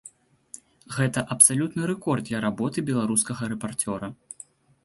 Гэта абсалютны рэкорд для работы беларускага рэпарцёра.